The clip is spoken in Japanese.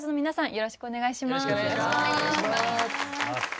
よろしくお願いします。